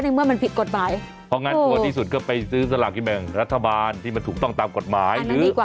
ในเมื่อมันผิดกฎหมาย